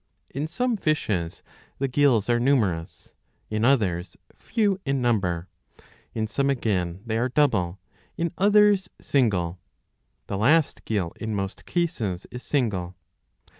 ^^ In some fishes the gills are numerous, in others few in number ; in some again they are double, in others single. The last gill in most cases is single.